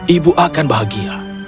ibu akan bahagia